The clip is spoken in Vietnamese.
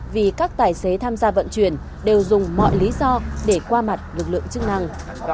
vì các tài xế tham gia vận chuyển đều dùng mọi lý do để qua mặt lực lượng chức năng